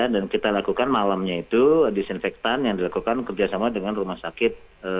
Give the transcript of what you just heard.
dan kita lakukan malamnya itu disinfektan yang dilakukan kerjasama dengan rumah sakit